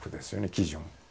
基準。